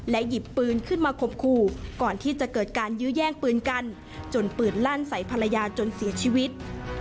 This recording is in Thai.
หยิบปืนขึ้นมาข่มขู่ก่อนที่จะเกิดการยื้อแย่งปืนกันจนปืนลั่นใส่ภรรยาจนเสียชีวิต